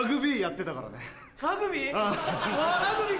ラグビー？